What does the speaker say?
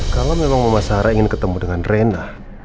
kalau memang mama sarah ingin ketemu dengan rena